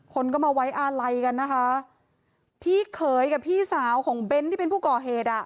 คนก็มาไว้อาลัยกันนะคะพี่เขยกับพี่สาวของเบ้นที่เป็นผู้ก่อเหตุอ่ะ